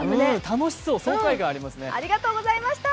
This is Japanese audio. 楽しそう、爽快感あるね。